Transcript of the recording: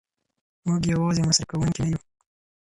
موږ یوازې مصرف کوونکي نه یو.